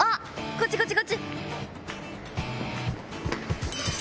こっちこっちこっち。